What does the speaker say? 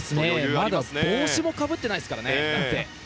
まだ帽子もかぶってないですからね。